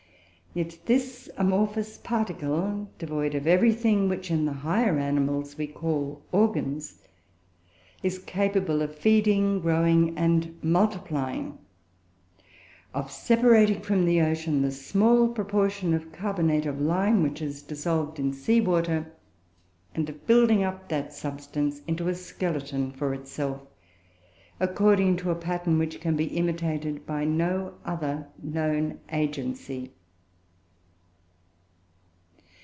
Yet this amorphous particle, devoid of everything which, in the higher animals, we call organs, is capable of feeding, growing, and multiplying; of separating from the ocean the small proportion of carbonate of lime which is dissolved in sea water; and of building up that substance into a skeleton for itself, according to a pattern which can be imitated by no other known agency.